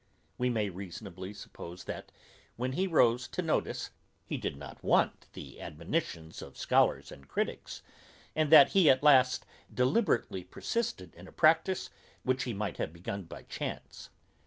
We may reasonably suppose, that, when he rose to notice, he did not want the counsels and admonitions of scholars and criticks, and that he at last deliberately persisted in a practice, which he might have begun by chance.